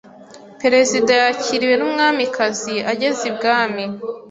Perezida yakiriwe n’umwamikazi ageze ibwami.